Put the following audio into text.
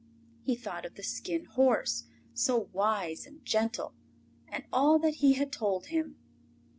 He thought of the Skin Horse, so wise and gentle, and all that he had told him.